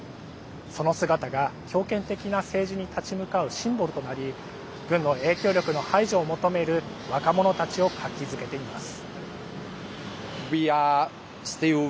その姿が、強権的な政治に立ち向かうシンボルとなり軍の影響力の排除を求める若者たちを活気づけています。